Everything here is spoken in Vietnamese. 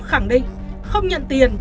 khẳng định không nhận tiền